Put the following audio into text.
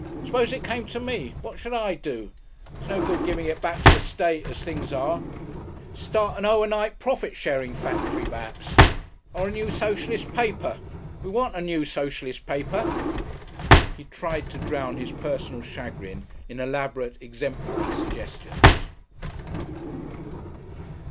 Suppose it came to me, what should I do? It's no good giving it back to the state as things are. Start an Owenite profit sharing factory perhaps. Or a new Socialist paper. We want a new Socialist paper." He tried to drown his personal chagrin in elaborate exemplary suggestions....